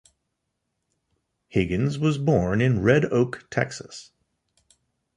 Higgins was born in Red Oak, Texas.